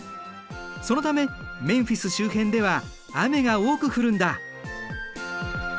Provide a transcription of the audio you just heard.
そのためメンフィス周辺では雨が多く降るんだ。